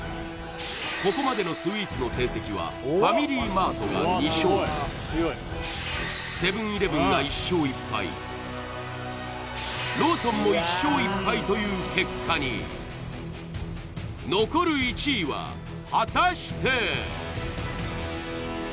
ここまでのスイーツの成績はファミリーマートが２勝セブン−イレブンが１勝１敗ローソンも１勝１敗という結果に残る１位は果たして？